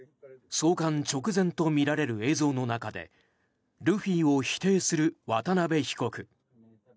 送還直前とみられる映像の中でルフィを否定する渡邉被告。